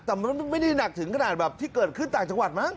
แต่มันไม่ได้หนักถึงขนาดแบบที่เกิดขึ้นต่างจังหวัดมั้ง